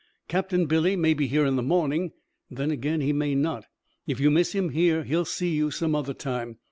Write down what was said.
Captain Billy may be here in the morning, then again he may not. If you miss him here, he will see you some other time.